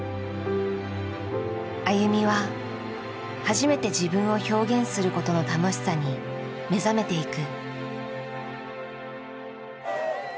ＡＹＵＭＩは初めて自分を表現することの楽しさに目覚めていく。